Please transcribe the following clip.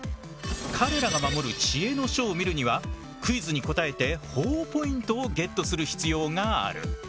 彼らが守る知恵の書を見るにはクイズに答えてほぉポイントをゲットする必要がある。